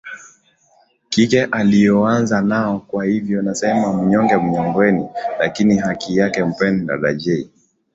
kike alioanza nao kwa hivyo nasema Mnyonge mnyongeni lakini haki yake mpeni dada Jay